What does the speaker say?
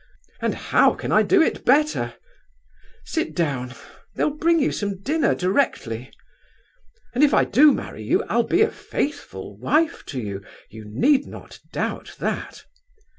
And how can I do it better? Sit down; they'll bring you some dinner directly. And if I do marry you, I'll be a faithful wife to you—you need not doubt that.